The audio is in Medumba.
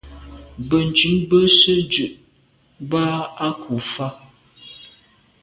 Benntùn be se’ ndù ba’ à kù fa.